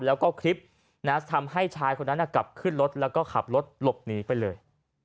แล้วก็คลิปทำให้ชายคนนั้นกลับขึ้นรถแล้วก็ขับรถหลบหนีไปเลย